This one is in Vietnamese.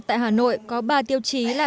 tại hà nội có ba tiêu chí là